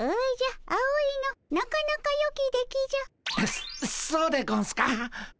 そそうでゴンスか？